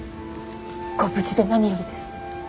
ご無事で何よりです。